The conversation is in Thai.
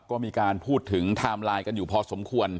ก็มีการพูดถึงไทม์ไลน์กันอยู่พอสมควร